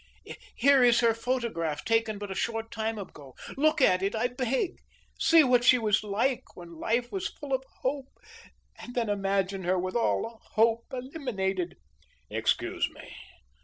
here is her photograph taken but a short time ago. Look at it I beg. See what she was like when life was full of hope; and then imagine her with all hope eliminated." "Excuse me.